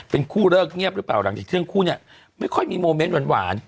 เป็นคู่เลิกเงียบหรือเปล่าหลังจากทั้งคู่เนี่ยไม่ค่อยมีโมเมนต์หวาน